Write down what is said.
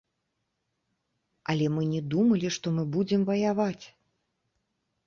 Але мы не думалі, што мы будзем ваяваць!